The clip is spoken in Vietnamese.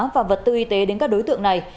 và vật tư y tế đến các đối tượng này